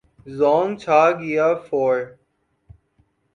زونگ چھا گیا فور